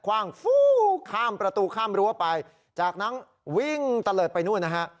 ว่างฟู้ข้ามประตูข้ามรั้วไปจากนั้นวิ่งตะเลิศไปนู่นนะฮะ